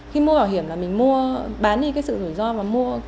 khi mua bảo hiểm là mình mua bán đi cái sự rủi ro và mua